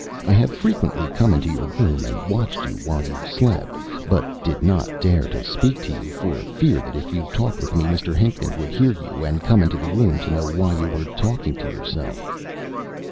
I have frequently come into your room, and watched you while you slept, but did not dare to speak to you for fear that if you talked with me Mr. Hinckman would hear you, and come into the room to know why you were talking to yourself."